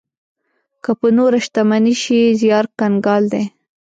که په نوره شتمني شي زيار کنګال دی.